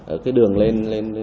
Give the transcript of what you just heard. ở cái đường lên